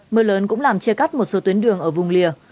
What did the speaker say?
mưa lớn cũng làm chia cắt một số tuyến đường ở vùng lìa